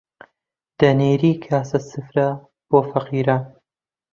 دەنێری کاسە سفرە بۆ فەقیران